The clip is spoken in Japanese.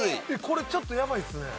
これちょっとやばいですね。